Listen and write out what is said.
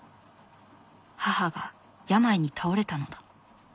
母が病に倒れたのだ。